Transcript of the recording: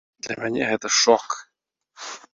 Для мяне гэта шок.